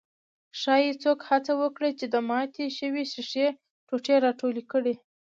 ښايي څوک هڅه وکړي چې د ماتې شوې ښيښې ټوټې راټولې کړي.